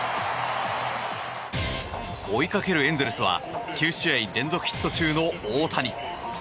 追いかけるエンゼルスは９試合連続ヒット中の大谷。